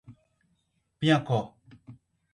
Piancó